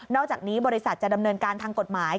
อกจากนี้บริษัทจะดำเนินการทางกฎหมาย